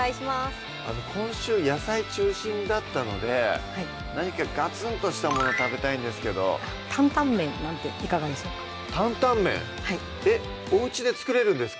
今週野菜中心だったので何かガツンとしたもの食べたいんですけど「担々麺」なんていかがでしょうか「担々麺」えっおうちで作れるんですか？